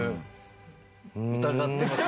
疑ってます。